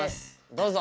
どうぞ。